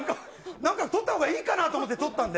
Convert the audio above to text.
なんか、取ったほうがいいかなって思って取ったんで。